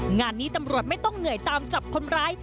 งานนี้ตำรวจไม่ต้องเหนื่อยตามจับคนร้าย